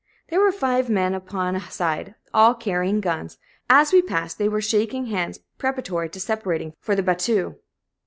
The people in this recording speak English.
There were five men upon a side, all carrying guns; as we passed, they were shaking hands, preparatory to separating for the battue.